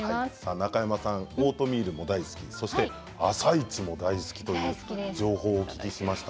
中山さんはオートミールも大好き「あさイチ」も大好きという情報をいただきました。